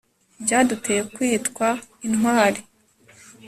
byaduteye kwitwa intwari